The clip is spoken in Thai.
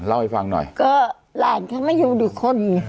ก็หลานเขามาอยู่อยู่คน